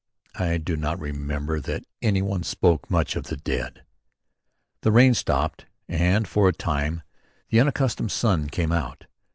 I do not remember that any one spoke much of the dead. The rain stopped and for a time the unaccustomed sun came out.